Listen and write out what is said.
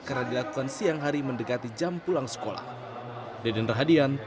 karena dilakukan siang hari mendekati jam pulang sekolah